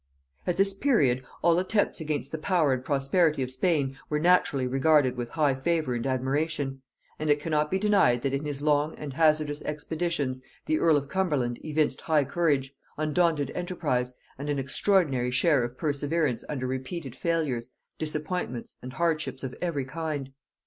At this period, all attempts against the power and prosperity of Spain were naturally regarded with high favor and admiration; and it cannot be denied that in his long and hazardous expeditions the earl of Cumberland evinced high courage, undaunted enterprise, and an extraordinary share of perseverance under repeated failures, disappointments, and hardships of every kind.